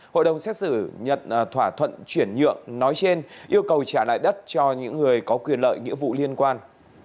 hội đồng xét xử nhận thỏa thuận chuyển nhượng nói trên yêu cầu trả lại đất cho những người có quyền lợi nghĩa vụ liên quan